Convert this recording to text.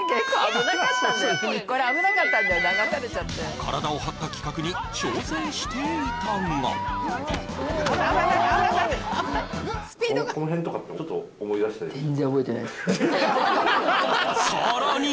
体を張った企画に挑戦していたがさらに